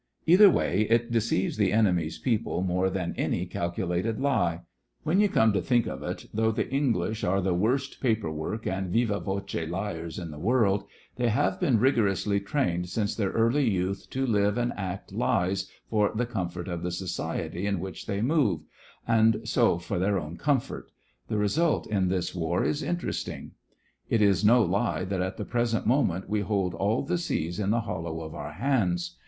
Either way, it deceives the enemies' people more than any calculated lie. \Mien you come to think of it, though the English are the worst paper work and viva voce liars in the world, they have been rigorously trained since their early youth to live and act lies for the comfort of the society in which they move, and so for their own comfort. The result in this war is interesting. It is no lie that at the present moment we hold all the seas in the hollow of our hands.